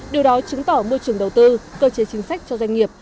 điều đó chứng tỏ môi trường đầu tư cơ chế chính sách cho doanh nghiệp